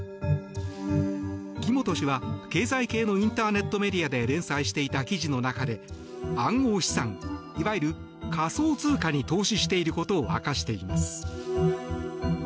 木本氏は経済系のインターネットメディアで連載していた記事の中で暗号資産、いわゆる仮想通貨に投資していることを明かしています。